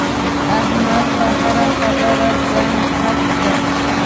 احمد په هره خبره ځان حق ګڼي.